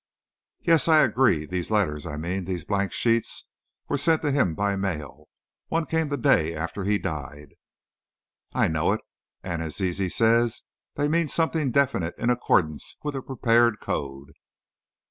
"Yes," I agreed; "these letters, I mean, these blank sheets, were sent to him by mail. One came the day after he died." "I know it. And, as Zizi says, they mean something definite in accordance with a prepared code.